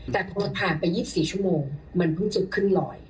แต่พอผ่านไป๒๔ชั่วโมงมันเพิ่งจะขึ้นลอย